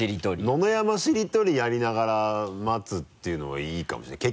野々山しりとりやりながら待つっていうのもいいかもしれない。